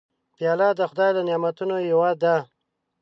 پیاله د خدای له نعمتونو یوه ده.